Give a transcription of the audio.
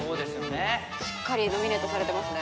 しっかりノミネートされてますね。